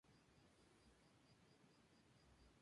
Ed intenta deshacerse de Rocko usando a Earl.